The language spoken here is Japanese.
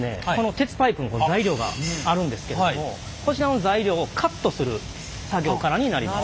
鉄パイプの材料があるんですけどもこちらの材料をカットする作業からになります。